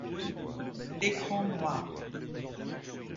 Écran Noir.